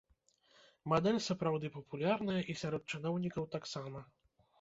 Мадэль сапраўды папулярная, і сярод чыноўнікаў таксама.